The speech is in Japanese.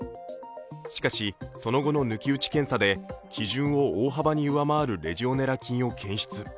しかし、その後の抜き打ち検査で基準を大幅に上回るレジオネラ症を検出。